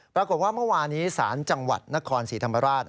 ปรากฏว่าเมื่อวานนี้ศจังหวัดนครศรีธรรมราช